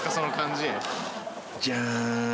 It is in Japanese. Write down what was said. じゃーん。